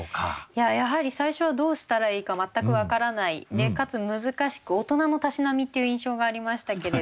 やはり最初はどうしたらいいか全く分からないかつ難しく大人のたしなみっていう印象がありましたけれど。